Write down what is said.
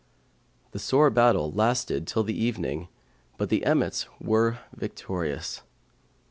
The sore battle lasted till the evening but the emmets were victorious.